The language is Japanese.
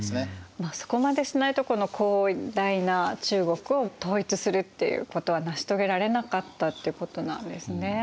まあそこまでしないとこの広大な中国を統一するっていうことは成し遂げられなかったってことなんですね。